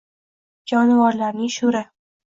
Jonivorlarning sho‘ri.